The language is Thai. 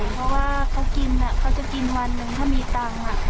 เพราะว่าเขากินเขาจะกินวันหนึ่งถ้ามีตังค์